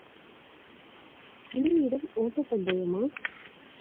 புலியிடம் ஓட்டப் பந்தயமா?